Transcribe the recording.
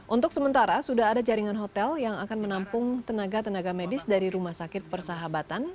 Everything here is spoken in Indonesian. untuk sementara sudah ada jaringan hotel yang akan menampung tenaga tenaga medis dari rumah sakit persahabatan